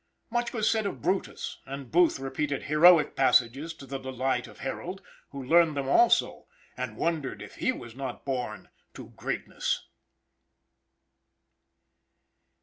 Much was said of Brutus, and Booth repeated heroic passages to the delight of Harold, who learned them also, and wondered if he was not born to greatness.